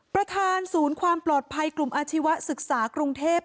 ประธานศูนย์ความปลอดภัยกลุ่มอาชีวศึกษากรุงเทพ